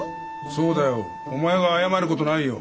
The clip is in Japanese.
そうだよお前が謝る事ないよ。